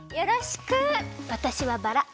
わたしはバラ。